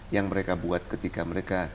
yang mereka buat ketika mereka